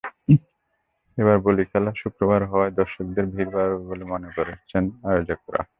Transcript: এবার বলীখেলা শুক্রবার হওয়ায় দর্শকের ভিড় বাড়বে বলে মনে করছেন আয়োজকেরা।